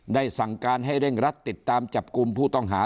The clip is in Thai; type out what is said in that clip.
สั่งการให้เร่งรัดติดตามจับกลุ่มผู้ต้องหา